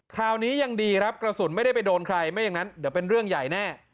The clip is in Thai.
คราวนี้ยังดีครับกระสุนไม่ได้ไปโดนใครไม่อย่างนั้นเดี๋ยวเป็นเรื่องใหญ่แน่